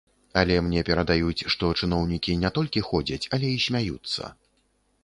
Але мне перадаюць, што чыноўнікі не толькі ходзяць, але і смяюцца.